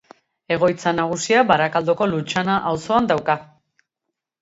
Egoitza nagusia Barakaldoko Lutxana auzoan dauka.